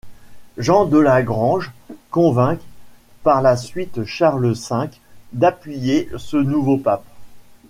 Jean de La Grange convainc par la suite Charles V d'appuyer ce nouveau pape.